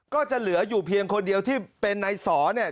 ก็จะเหลืออยู่เพียงคนเดียวที่เป็นนายสอเนี่ย